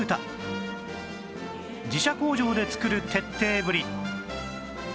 自社工場で作る徹底ぶり